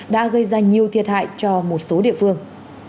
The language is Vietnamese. đã gây ra nhiều thiệt hại cho một số địa phương